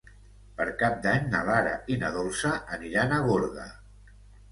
Per Cap d'Any na Lara i na Dolça aniran a Gorga.